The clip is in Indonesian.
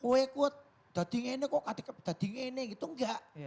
wekut dati ngene kok katika dati ngene gitu enggak